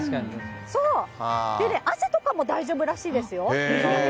そう、でね、汗とかも大丈夫らしいですよ。